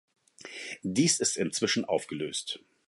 Dies ist inzwischen aufgelöst.